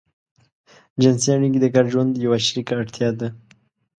جنسي اړيکې د ګډ ژوند يوه شريکه اړتيا ده.